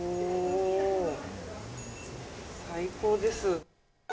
最高です。